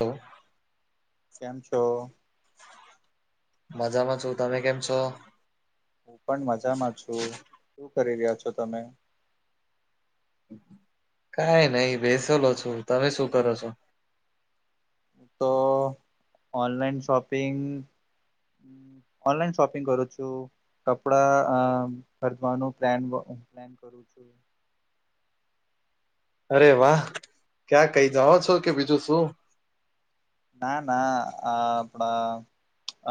Hello કેમ છો? મજામાં છું. તમે કેમ છો? હું પણ મજામાં છું. શું કરી રહ્યા છો તમે? કાઈ નહી બેસલો છુ. તમે શું કરો છો? તો ઓનલાઈન શોપિંગ અમ ઓનલાઈન શોપિંગ કરું છું. કપડા અ ભરવાનું પ્લેન પ્લાન કરું છું. અરે વાહ! ક્યાં કઈ જાઓ છો કે બીજું શું? ના ના આ આપડા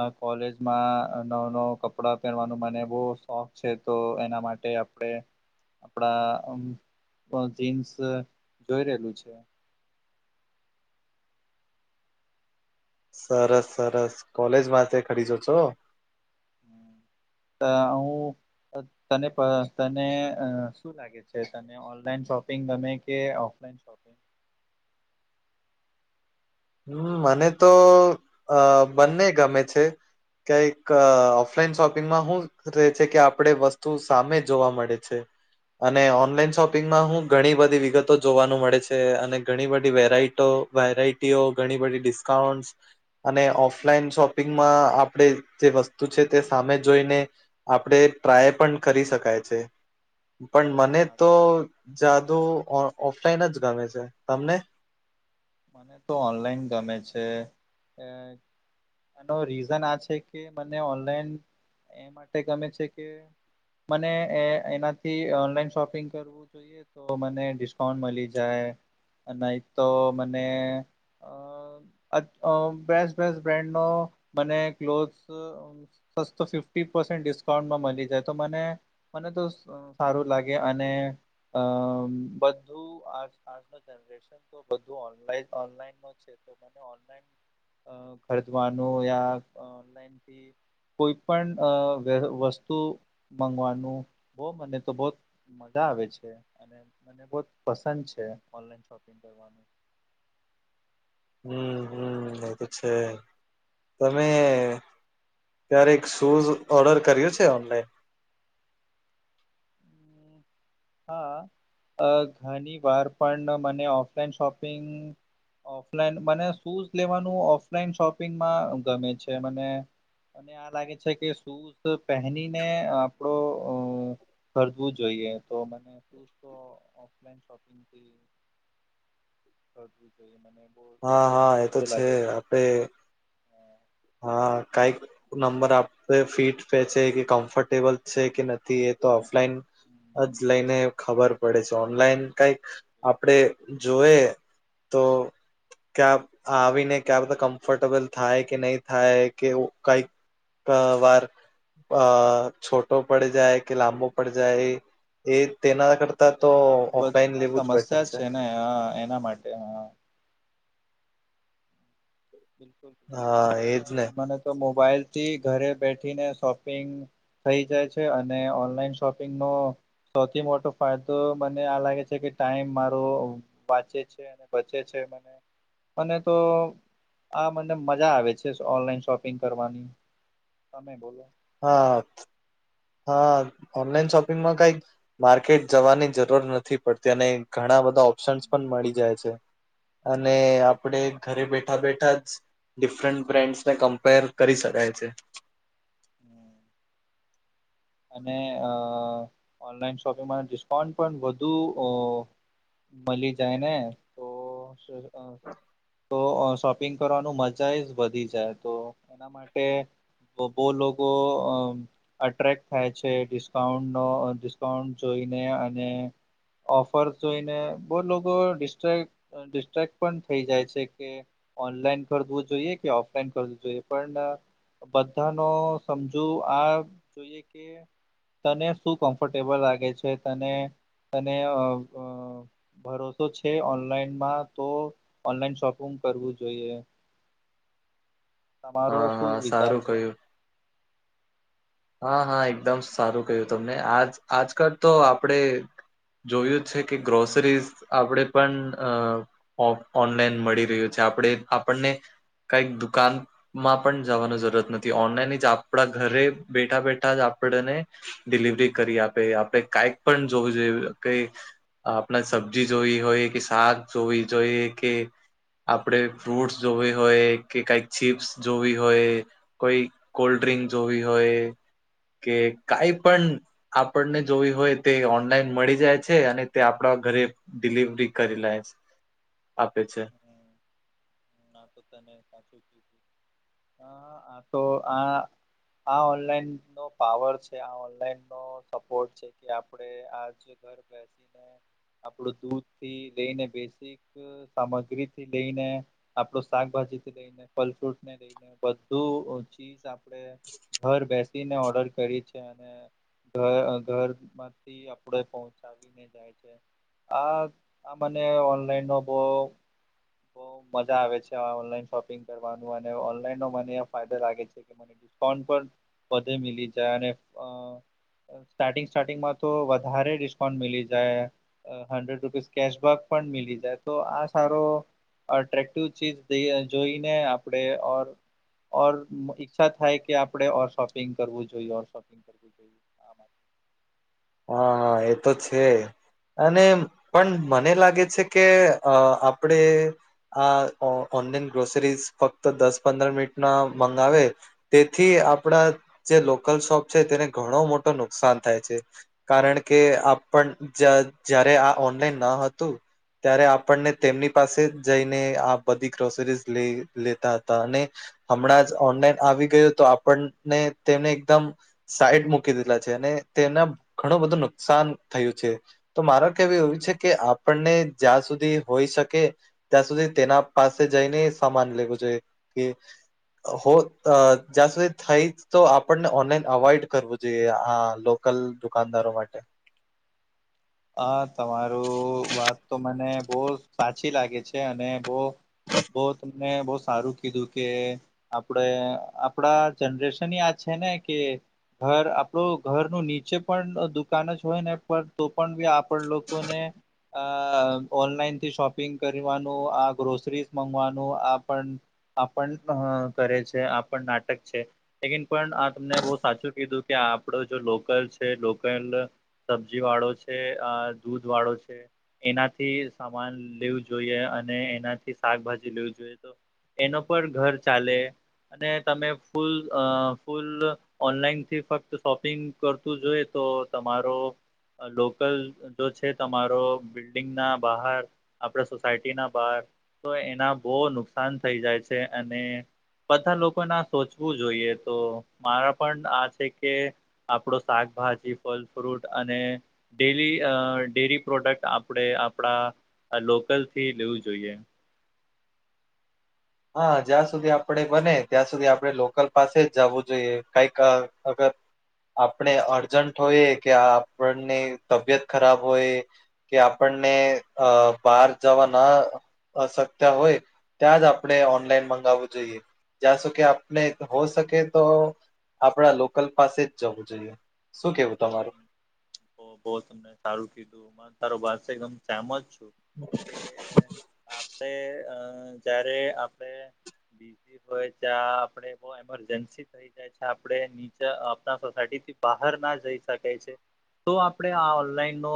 અ કોલેજમાં નવ નવ કપડા પહેરવાનું મને બહુ શોખ છે તો એના માટે આપ આપણે આપડા અમ જીન્સ જોઈ રહેલું છે. સરસ સરસ કોલેજ માંથે ખરીજો છો? અ હું તને પણ તને શું લાગે છે તને ઓનલાઈન શોપિંગ ગમે કે ઓફલાઈન શોપ હમ મને તો અ બંને ગમે છે. કંઈક ઓફલાઈન શોપિંગમાં હું રે કે આપડે વસ્તુ સામે જોવા મળે છે. અને ઓનલાઈન શોપિંગમાં હું ઘણી બધી વિગતો જોવાનું મળે છે. અને ઘણી બધી વેરાઈટો વેરાઈ ટીઓ, ઘણી બધી ડિસ્કાઉન્ટ. અને ઓફલાઈન શોપિંગમાં આપણે જે વસ્તુ છે તે સામે જોઈને આપડે ટ્રાય પણ કરી શકાય છે. પણ મને તો જાદુ ઓફ ઓફલાઈન જ ગમે છે. તમને? મને તો ઓનલાઈન ગમે છે. એ એનો રીઝન આ છે કે મને ઓનલાઈન એ માટે ગમે છે કે મને એ એનાથી ઓનલાઈન શોપિંગ કરવું જોઈ એ તો મને ડિસ્કાઉન્ટ મલી જાય. નહી તો મને અ અ બેસ્ટ બેસ્ટ બ્રાન્ડનો મને ક્લોથસ સસ્તો ફિફ્ટી પર્સેન્ટ ડિસ્કાઉન્ટમાં મલી જાય તો મને મને તો સારું લાગે અને અ બધું આજ આજનો જનરેશન તો બધું ઓનલાઇ ઓનલાઈન નો છે તો મને ઓન ઓનલાઈન અ ખરીદવાનું યા ઓનલાઈન થી કોઈ પણ અ વ વસ્તુ મગવાનું બહુ મને તો બહોત મજા આવે છે. અન ને મને બહોત પસંદ છે ઓનલાઈન શોપિંગ કરવાનું. હમ હમ એ તો છે. તમે ક્યારેક શૂઝ ઓર્ડર કર્યું છે ઓનલાઈન? હા અ ઘણીવાર પણ મને ઓફલાઈન શોપિંગ ઓફલાઈન મને શૂઝ લેવાનું ઓફલાઈન શોપિંગમાં ગમે છે મને. અને આ લાગે છે કે શૂઝ પહેનીને આપડો અ ખરદવું જોઈએ. તો મને સૂઝ તો ઓફલાઈન શોપિંગથી ખરદવું જોઈએ મને. બો હા હા એ તો સારું છે. લાગે આપે હા કાંઈક નંબર આપે ફીટ પે છે કે, કમ્ફર્ટેબલ છે કે નથી એ તો ઓફલાઈન જ લઈને ખબર પડે છે. ઓનલાઈન કાઈક આપડે જોયએ તો ક્યાં આવીને ક્યાં બધા કમ્ફર્ટેબલ થાય કે નહી થાય કે કંઈક અ વાર અ છોટો પડી જાય કે લાંબો પડી જાય એ તેના કર તો આ ઓફલાઈન આ લેવું જ બેટર સમસ્યા છે. ને હા એના માટે હા. બિલકુલ બિલકુલ હા એજ ને મને તો મોબાઈલ થી ઘરે બેઠીને શોપિંગ થઈ જાય છે અને ઓનલાઈન શોપિંગ નો સૌથી મોટો ફાયદો મને આ લાગે છે કે ટાઈમ મારો વાંચે છે. બચે છે મને તો આ મને મજા આવે છે ઓનલાઈન શોપિંગ કરવાની તમે બોલો હા. હા ઓનલાઈન શોપિંગમાં કંઈક માર્કેટ જવાની જરૂર નથી પડતી અને ઘણા બધા ઓપ્શન્સ પણ મળી જાય છે. અને બિલકુલ આપડે ઘરે બેઠા બેઠા જ ડિફરન્ટ બ્રાન્ડસને કમ્પેર કરી શકાય છે. હમ. અને અ ઓનલાઈન શોપિંગમાં ડિસ્કાઉન્ટ પણ વધુ ઓ મળી જાય ને તો તો શોપિં કરવાનું મજા એ જ વધી જાય તો એના માટે બહુ લોકો અટ્રેક્ટ થાય છે ડિસ્કાઉન્ટ નો ડિસ્કાઉન્ટ જોઈને અને ઓફર જોઈને બહુ લોકો ડિસ્ટ્રેક્ટ પણ થઈ જાય છે કે ઓનલાઈન કરવું જોઈએ કે ઓફલાઈન કરવું જોઈએ પણ બધા નો સમજુ આ જોઈએ કે તને શું કમ્ફર્ટેબલ લાગે છે તને તને આ ફ ભરોસો છે ઓનલાઈનમાં તો ઓનલાઈન શોપિંગ કરવું જોઈએ. તમારો હા શું હા વિચાર સારું છે. કહ્યું હા હા એકદમ સારું ક્યું તમને આ આજકાલ તો આપણેે જોયું જ છે કે ગ્રોસરીઝ આપણે પણ અ ઓનલાઈન મળી રહ્યું છે આપણે આપણને કંઈક દુકાનમાં પણ જવાની જરૂરત નથી ઓનલાઈન જ આપણા ઘરે બેઠા બેઠા જ આપડને ડિલિવરી કરી આપે આપણે કંઈક પણ જોવું જોઈએ કઈ આપણે સબ્જી જોવી હોય કે શાક જોવી જોઈએ કે આપડે ફ્રૂટ્સ હમ જોવી હમ હોય કે કઈક ચીપ્સ જોવી હોય. કોઈ કોલ્ડડ્રિંક જોવી હોય કે કંઈ પણ આપણને જોવી હોય તે ઓનલાઈન મળી જાય છે અને તે આપણા ઘરે ડિલિવરી કરી લાય આપે છે. હમ હમ તો તને સાચું કીધુ આ તો આ આ ઓનલાઈન નો પાવર છે આ ઓનલાઈન નો સપોર્ટ છે. કે આપડે આજ ઘર બેઠા આપડું દૂધ થી લઈને બેઝીક સામગ્રીથી લઈને આપડો શાકભાજી થી લઈને ફલ ફ્રૂટ ને લઈને બધું ચીજ આપડણે ઘર બેસીને ઓર્ડર કરી છે અને ઘર ઘરમાં થી આપણે પહોંચાવીને જાય છે આ આ મને ઓનલાઈનનો બહુ બહુ મજા આવે છે ઓનલાઈન શોપિંગ કરવાનું અને ઓનલાઈનનો મને ફાયદો લાગે છે કે ફોન પર વધે મીલી જાય અને સ્ટાર્ટિંગ સ્ટાર્ટિંગમાં તો વધારે ડિસ્કાઉન્ટ મીલી જાય હન્ડ્રેડ રૂપીસ કેશબેક પણ મીલી જાય તો આ સારો અટ્રેક્ટિવ ચીજ જોઈને આપણેે ઓર ઓર ઈચ્છા થાય કે આપડણે ઓર શોપિંગ કરવું જોઈએ ઓર શોપિંગ કરવું જોઈએ. હા હા એ તો છે. અને પણ મને લાગે છે કે અ આપણેે આ ઓનલાઈન ગ્રોસરીઝ ફક્ત દસ પંદર મિનિટ ના મંગાવે તેથી આપણા જે લોકલ શોપ છે તેને ઘણો મોટો નુકસાન થાય છે. કારણ કે આપણ જયારે આ ઓનલાઈન ના હતું ત્યારે આપણને તેમની પાસે જ જઈને આ બધી ગ્રોસરીઝ લ લેતા હતા અને હમણાં જ ઓનલાઈન આવી ગયું તો આપણને તેમને એકદમ સાઈટ મૂકી દીધલા છે અને તેને ઘણું બધું નુકસાન થયું છે. તો માર કેવું એવું છે કે આપણને જ્યાં સુધી હોઈ શકે ત્યાં સુધી તેના પાસે જઈને સમાન લેવું જોઈ કે હો જ્યાં સુધી થઈ તો આપણને ઓનલાઈન અવોઈડ કરવું જોઈએ આ લો કલ દુકાનદારો માટે હા તમારું વાત તો મને બહુ સાચી લાગે છે અને બો બઉ તમને બહુ સારું કીધું કે આપડે આપડા જનરેશન યા છે ને કે ઘર આપડું ઘરનું નીચે પણ દુકાન જ હોય ને પણ તો પણ બી આપણ લોકોને અ ઓનલાઈન થી શોપિંગ કરવાનું આ ગ્રોસરીઝ મગવાનું આ પણ આપણ કરે છે આપણ નાટક છે લેકન પણ આ તમને બહુ સાચું કીધું કે આપડો જો લોકલ છે લોકલ સબ્જી વાળો છે અ દૂધ વાળો છે એનાથી સામાન લેવું જોઈએ અને એનાથી શાકભાજી લેવી જોઈએ તો એનો પણ ઘર ચાલે અને તમે ફૂલ ફૂલ ઓનલાઈન થી ફક્ત શોપિંગ કરતું જોઈએ તો તમારો છે તમારો બિલ્ડિંગ ના બહાર આપડા સોસાયટી ના બહાર તો એના બહુ નુકસાન થઈ જાય છે અને બધા લોકોને સોચવું જોઈએ તો મારા પણ આ છે કે આપડો શાકભાજી ફલ ફ્રુટ અને ડેરી ડેરી પ્રોડક્ટ આપણે આપણા લોકલથી લેવું જોઈએ. હા જ્યાં સુધી આપણે બને ત્યાં સુધી આપણે લોકલ પાસે જ જવું જોઈએ કઈક અગર આપણે અર્જન્ટ હોય કે આપણને તબિયત ખરાબ હોય કે આપણને અ બહાર જવા ના અશક્ય હોય ત્યાં જ આપણે ઓનલાઈન મગાવવું જોઈએ જ્યાં સુકે આપણે હો શકે તો આપણા લોકલ પાસે જ જવું જોઈએ શું કેવું તમારું? તો બહ તમને સારું કીધું સારો ભત છેમ સામજ છું કે આપડે અ જારે આપડે બીઝ હોય ચ્યા આપે બો ઈમરજન્સી થઈ છે આપડે નીચે આપણા સોસાયટી થી બહાર ના જઈ શકાય છે તો આપણે આ ઓનલાઈન નો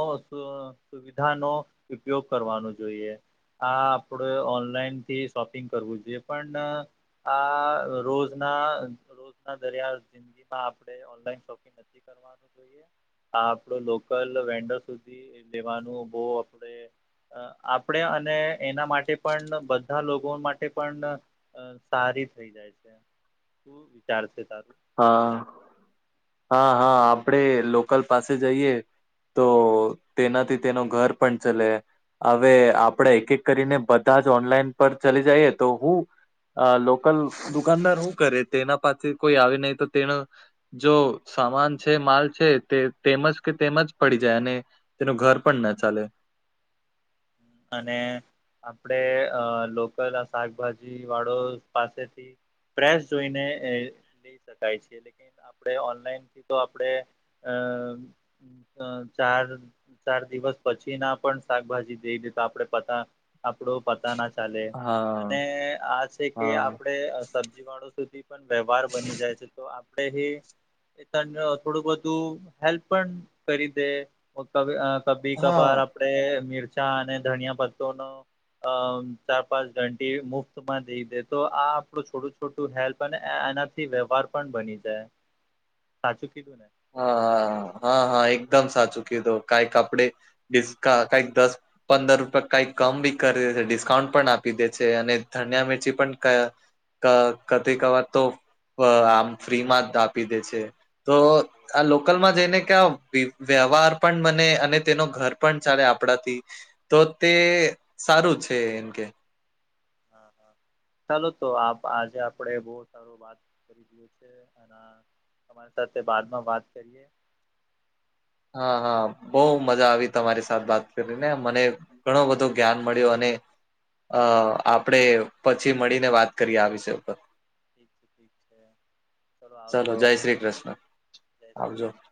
સુવિધાનો ઉપયોગ કરવાનો જોઈએ હા આપડે ઓનલાઈન થી શોપિંગ કરવું જોઈએ પણ આ રોજના રોજના દરિયા જિંદગીમાં આપણે ઓનલાઈન શોપિંગ કરવાનું જોઈએ હા આપડું લોકલ વેન્ડર સુધી લેવાનું બહ આપડે અ આપણેે અને એના માટે પણ બધા લોકો માટે પણ અ સારી થઈ જાય છે શું વિચાર છે તારું? હા હા હા આપડે લોકલ પાસે જઈએ તો તેનાથી તેનો ઘર પણ ચલે. અવે આપડે એક એક કરીને બધા જ ઓનલાઈન પર ચલી જઈએ તો હું અ લોકલ દુકાનદાર હું કરે તેના પાસે કોઈ આવે નય તો તેનો જો સામાન છે, માલ છે તે તેમજ કે તેમજ પડી જાય અને તેનું ઘર પણ ના ચાલે. અને આપડે અ લોકલ આ શાકભાજી વાળો પાસેથી ફેશ જોઈને એ લઈ શકાય છે લેકી આપણે ઓનલાઈન થી તો આપણેે અ અ ચાર ચાર દિવસ પછી ના પણ શાકભાજી કેય દેય તો આપડે પતા આપડો પતા ના ચાલે હા અને આ છે કે હા આપણે સબજી વાળો સુધી પણ વ્યવહાર બની જાય છે તો આપડે હિ એ તને થોડું બધું હેલ્પ પણ કરી દે. વો કભી હા કભાર આપડે મિરચા અને ધનિયાપતો નો અ ચાર પાંચ દડી મુફ્તમાં દઈ દે તો આ આપડું છોડું થોડું હેલ્પ અને એનાથી વ્યવહાર પણ બની જાય સાચું કીધું ને. હા હા હા હા એકદમ સાચું કીધું કાઈક આપડે [unintelligible] કાઇક દસ પંદર રૂપિયા કઈક કમ બી કરી દે ડિસ્કાઉન્ટ પણ આપી દે છે અને ધનિયા મિરચી પણ ક ક કભી કભાર તો આમ ફ્રી માં જ આપી દે છે તો આ લોકલમાં જઈને ક્યા વ્યવહાર પણ બને અને તેનો ઘર પણ ચાલે આપડા થી તો તે સારું છે એમ કે હા હા ચાલો તો આજે આપડે બો સારો વાત કરી દીએ છે. [unintelligible] અને તમારી સાથે બાદમાં વાત કરીએ. હા હા બો મજા આવી તમારી સાથે વાત કરીને મને. ઘણો બધો જ્ઞાન મળ્યું અને અ આપણે પછી મળીને વાત કરીએ આ વિષય ઉપર ઠીક છે ઠીક છે ચલો જય શ્રી કૃષ્ણ જય શ્રી આવજો. કૃષ્ણ